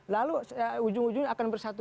lalu ujung ujungnya akan bersatu